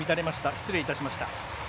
失礼いたしました。